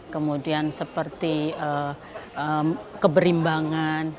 kemudian seperti keberimbangan